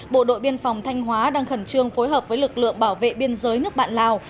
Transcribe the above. bộ đội biên phòng thanh hóa đang khẩn trương phối hợp với lực lượng bảo vệ biên giới nước bạn lào